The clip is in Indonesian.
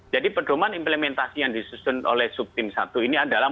jadi perdoman implementasi yang disusun oleh subtim satu ini adalah